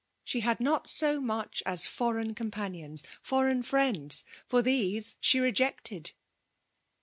she had not so txuch as foreign com panions ^ foreign friends — for these she xe jected.